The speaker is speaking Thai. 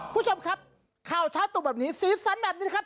คุณผู้ชมครับข่าวเช้าตุกแบบนี้สีสันแบบนี้นะครับ